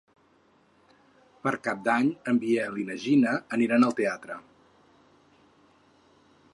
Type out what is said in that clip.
Per Cap d'Any en Biel i na Gina aniran al teatre.